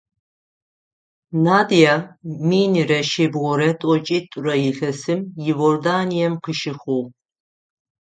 Надия минрэ шъибгъурэ тӏокӏитӏурэ илъэсым Иорданием къыщыхъугъ.